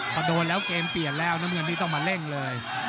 พอโดนแล้วเกมเปลี่ยนแล้วนี่ต้องมาเล่งเลย